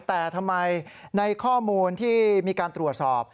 แต่ทำไมในข้อมูลที่มีการตรวจสอบ